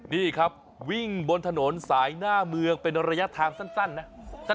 นี่ครับวิ่งบนถนนสายหน้าเมืองเป็นระยะทางสั้นนะ